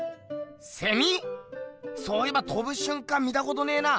セミ⁉そういえばとぶしゅんかん見たことねえな。